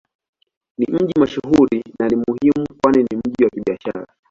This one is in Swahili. Ni mji mashuhuri na ni muhimu kwani ni mji wa Kibiashara.